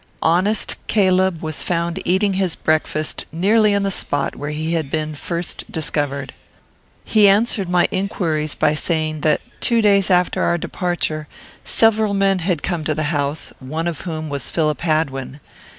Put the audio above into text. Honest Caleb was found eating his breakfast nearly in the spot where he had been first discovered. He answered my inquiries by saying, that, two days after our departure, several men had come to the house, one of whom was Philip Hadwin.